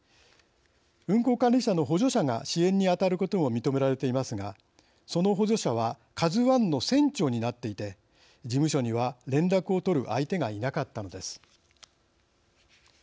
運航管理者の補助者が支援にあたることも認められていますがその補助者はＫＡＺＵⅠの船長になっていて事務所には連絡を取る相手がいなかったのです。